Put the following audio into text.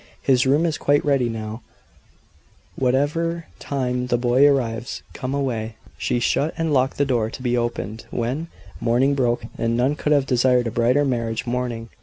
"His room is quite ready now, whatever time the boy arrives. Come away." She shut and locked the door. To be opened when? Morning broke, and none could have desired a brighter marriage morning.